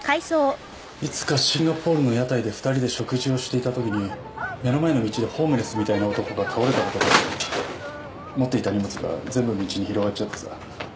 いつかシンガポールの屋台で２人で食事をしていたときに目の前の道でホームレスみたいな男が倒れたことがあって持っていた荷物が全部道に広がっちゃってさ。